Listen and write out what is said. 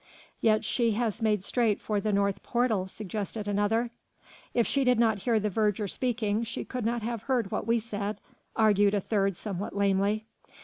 Yet she has made straight for the north portal," suggested another. "If she did not hear the verger speaking she could not have heard what we said," argued a third somewhat lamely.